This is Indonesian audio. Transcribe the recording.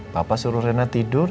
papa suruh rena tidur